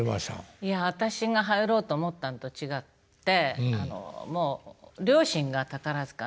いや私が入ろうと思ったんと違ってもう両親が宝塚のファンだったんですね。